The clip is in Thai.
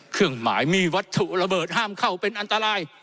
เครื่องหมายมีวัตถุระเบิดห้ามเข้าเป็นอันตราย